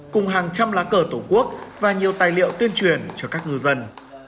cùng hàng trăm lá cờ tổ quốc và nhiều tài liệu tuyên truyền cho các ngư dân